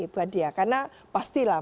buat dia karena pastilah